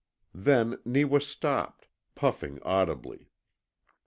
Then Neewa stopped, puffing audibly.